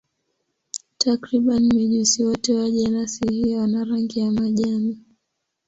Takriban mijusi wote wa jenasi hii wana rangi ya majani.